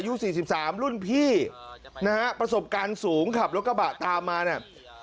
๔๓รุ่นพี่นะฮะประสบการณ์สูงขับรถกระบะตามมาเนี่ย